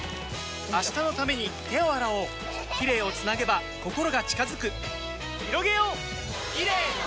明日のために手を洗おうキレイをつなげば心が近づくひろげようキレイの輪！